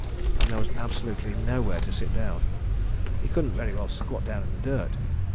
And there was absolutely nowhere to sit down. He couldn't very well squat down in the dirt. .